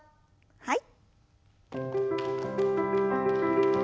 はい。